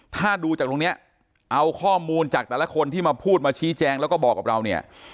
ถ้าดูจากตรงนี้เอาข้อมูลจากแต่ละคนที่มาพูดมาชี้แจงแล้วก็บอกกับเราเนี่ย